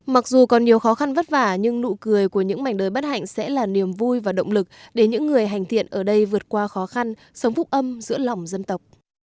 mặc dù còn nhiều khó khăn vất vả nhưng nụ cười của những mảnh đời bất hạnh sẽ là niềm vui và động lực để những người hành thiện ở đây vượt qua khó khăn sống phúc âm giữa lòng dân tộc